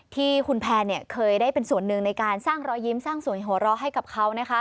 ที่คุณแพนเคยได้เป็นส่วนหนึ่งในการสร้างรอยยิ้มสร้างสวยหัวเราะให้กับเขา